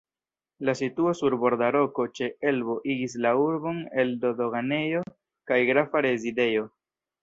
La situo sur borda roko ĉe Elbo igis la urbon Elbo-doganejo kaj grafa rezidejo.